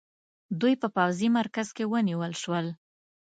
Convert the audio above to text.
دوی په پوځي مرکز کې ونیول شول.